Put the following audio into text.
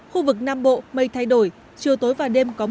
khu vực nam bộ mây thay đổi chiều tối và đêm có mưa